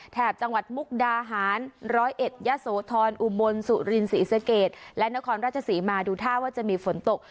แถบจังหวัดมุกดาหารร้อยเอ็ดยะโสธรอุบลสุรินศรีสเกตและนครราชศรีมาดูท่าว่าจะมีฝนตก